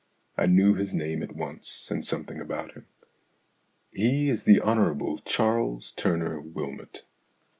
I knew his name at once and some thing about him. He is the Hon. Charles Tumour Wylmot.